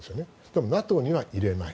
多分ＮＡＴＯに入れない。